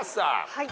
はい。